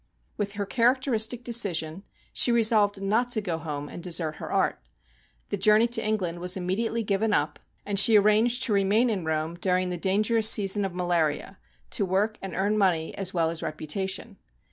With her characteristic de cision she resolved not to go home and desert her art. The journey to England was immediately given up, and she ar ranged to remain in Rome during the dangerous season of malaria, to work and earn money as well as reputation.